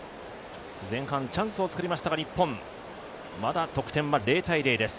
前半、チャンスを作りましたが日本、まだ得点は０−０です。